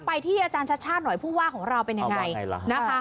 ไปที่อาจารย์ชัดชาติหน่อยผู้ว่าของเราเป็นยังไงล่ะนะคะ